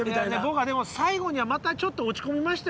僕はでも最後にはまたちょっと落ち込みました